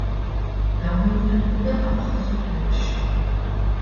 გამოიყენებოდა აფხაზურ ენაში.